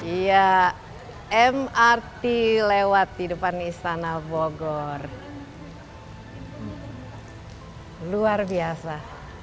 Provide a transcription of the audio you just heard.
iya mrt lewat di depan istana bogor luar biasa